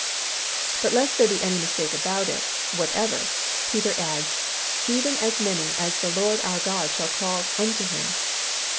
But lest there be any mistake about it whatever, Peter adds "even as many as the Lord our God shall call unto Him."